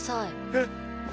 えっ！